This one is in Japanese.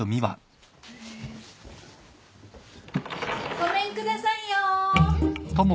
・・ごめんくださいよ。